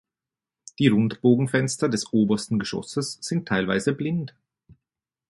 Die Rundbogenfenster des obersten Geschosses sind teilweise blind.